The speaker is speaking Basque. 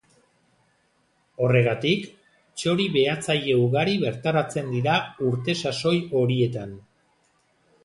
Horregatik, txori-behatzaile ugari bertaratzen dira urte-sasoi horietan.